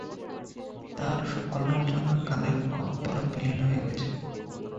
তার সকল রচনা কালের গহ্বরে বিলীন হয়ে গেছে।